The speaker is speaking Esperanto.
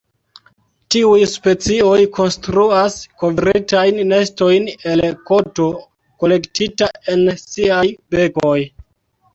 Tiuj specioj konstruas kovritajn nestojn el koto kolektita en siaj bekoj.